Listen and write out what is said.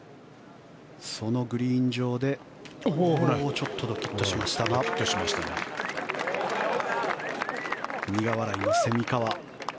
そのグリーン上でちょっとドキッとしましたが苦笑いの蝉川。